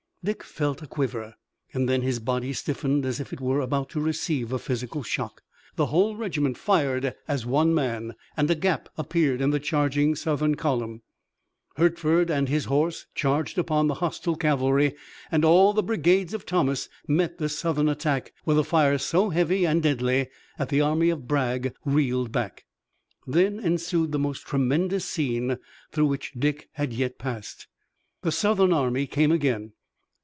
Dick felt a quiver, and then his body stiffened, as if it were about to receive a physical shock. The whole regiment fired as one man, and a gap appeared in the charging Southern column. Hertford and his horse charged upon the hostile cavalry, and all the brigades of Thomas met the Southern attack with a fire so heavy and deadly that the army of Bragg reeled back. Then ensued the most tremendous scene through which Dick had yet passed. The Southern army came again.